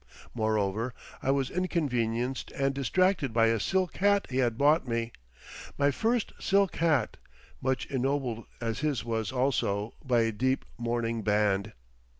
Moreover, I was inconvenienced and distracted by a silk hat he had bought me, my first silk hat, much ennobled, as his was also, by a deep mourning band.